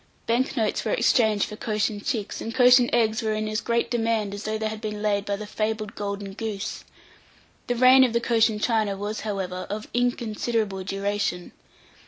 Bank notes were exchanged for Cochin chicks, and Cochin eggs were in as great demand as though they had been laid by the fabled golden goose. The reign of the Cochin China was, however, of inconsiderable duration.